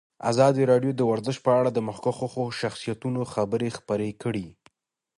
ازادي راډیو د ورزش په اړه د مخکښو شخصیتونو خبرې خپرې کړي.